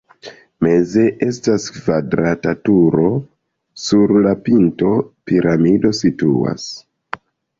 Meze estas kvadrata turo, sur la pinto piramido situas.